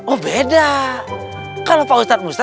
oh beda kalau pak ustadz musta